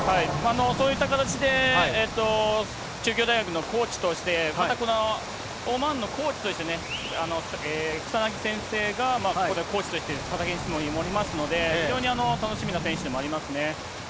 そういった形で、中京大学のコーチとして、またこのオマーンのコーチとして、くさなぎ先生がここでコーチとして、非常に楽しみな選手でもありますね。